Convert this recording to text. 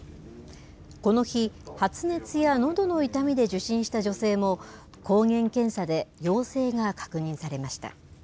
この日、発熱やのどの痛みで受診した女性も抗原検査で陽性が確認されました。